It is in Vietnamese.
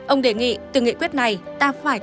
ông đề nghị từ nghị quyết này ta phải